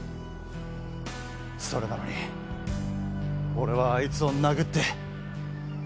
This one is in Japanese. それなのに俺はアイツを殴って。